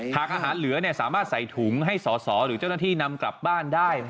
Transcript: หากอาหารเหลือสามารถใส่ถุงให้สอสอหรือเจ้าหน้าที่นำกลับบ้านได้